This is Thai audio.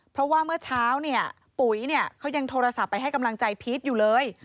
เพราะว่าเมื่อเช้าเนี่ยปุ๋ยเนี่ยเขายังโทรศัพท์ไปให้กำลังใจพีชอยู่เลย